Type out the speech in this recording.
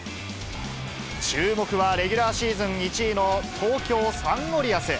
注目は、レギュラーシーズン１位の東京サンゴリアス。